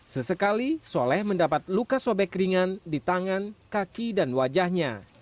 sesekali soleh mendapat luka sobek ringan di tangan kaki dan wajahnya